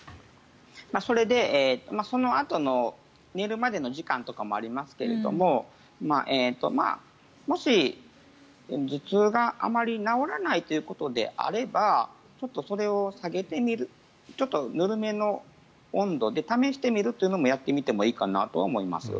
それで、そのあとの寝るまでの時間とかもありますけれどももし、頭痛があまり治らないということであればちょっとそれを下げてみるぬるめの温度で試してみるというのもやってみてもいいかなとは思います。